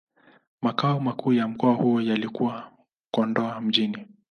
Makao makuu ya mkoa huo yalikuwa Kondoa Mjini.